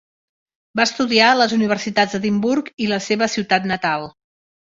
Va estudiar en les universitats d'Edimburg i la seva ciutat natal.